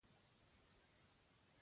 ستا په سود زما په زیان دی خو روان دی.